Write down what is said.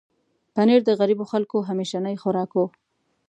پنېر د غریبو خلکو همیشنی خوراک و.